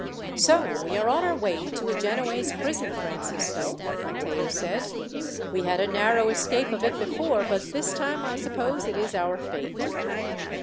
"So we are on our way to a Genoese prison, Francisco," Matteo said. "We had a narrow escape of it before, but this time I suppose it is our fate."